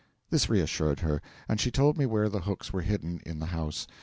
This reassured her, and she told me where the hooks were hidden in the house.